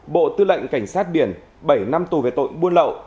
bộ tư lệnh cảnh sát biển bảy năm tù về tội buôn lậu